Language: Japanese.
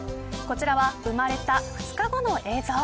こちらは生まれた双子の映像。